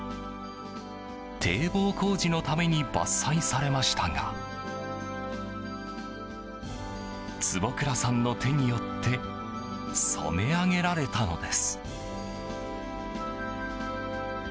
堤防工事のために伐採されましたが坪倉さんの手によって染め上げられたのです。